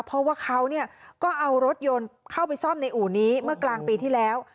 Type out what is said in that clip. เพราะว่าเขาก็เอารถยนต์เข้าไปซ่อมในอู่นี้เมื่อกลางปีที่แล้ว